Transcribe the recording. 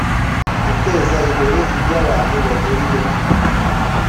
guteza imbere ibyo abantu bahuriyeho